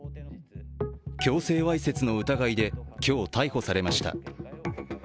強制わいせつの疑いで今日、逮捕されました。